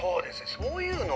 そういうの。